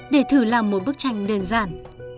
để thử làm một bức tranh đơn giản